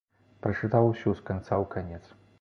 Прачытаў усю з канца ў канец.